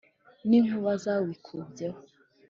n' inkuba zawikubyeho.